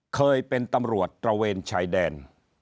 เคยเป็นตำรวจตระเวนชายแดน